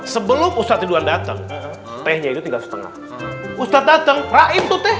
sebelum ustadz ridwan datang tehnya itu tiga lima ustadz datang raim tuh teh